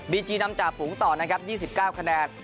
จีนำจ่าฝูงต่อนะครับ๒๙คะแนน